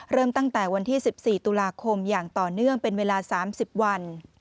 เริ่มตั้งแต่วันที่๑๔ตุลาคมอย่างต่อเนื่องเป็นเวลา๓๐วัน